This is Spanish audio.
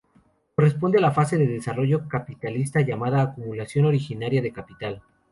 Corresponde a la fase de desarrollo capitalista llamada Acumulación originaria de capital.